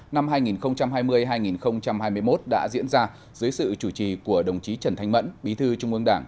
năm hai nghìn hai mươi hai nghìn hai mươi một đã diễn ra dưới sự chủ trì của đồng chí trần thanh mẫn bí thư trung ương đảng